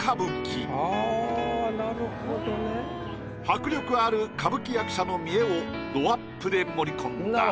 迫力ある歌舞伎役者の見得をどアップで盛り込んだ。